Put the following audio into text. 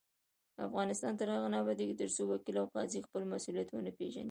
افغانستان تر هغو نه ابادیږي، ترڅو وکیل او قاضي خپل مسؤلیت ونه پیژني.